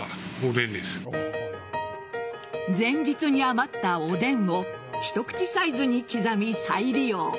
前日に余ったおでんを一口サイズに刻み、再利用。